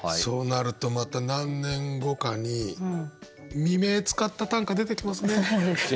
そうなるとまた何年後かに「未明」使った短歌出てきますね。